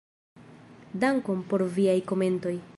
Dankon por viaj komentoj.